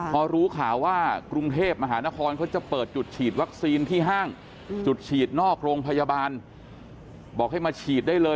พอรู้ข่าวว่ากรุงเทพมหานครเขาจะเปิดจุดฉีดวัคซีนที่ห้างจุดฉีดนอกโรงพยาบาลบอกให้มาฉีดได้เลย